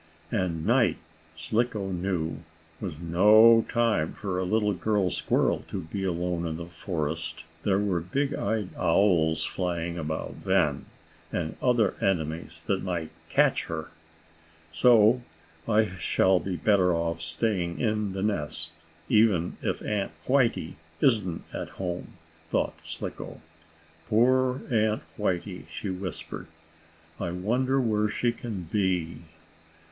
And night, Slicko knew, was no time for a little girl squirrel to be alone in the forest. There were big eyed owls flying about then, and other enemies that might catch her. "So I shall be better off staying in the nest, even if Aunt Whitey isn't at home," thought Slicko. "Poor Aunt Whitey!" she whispered. "I wonder where she can be."